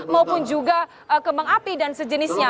maupun juga kembang api dan sejenisnya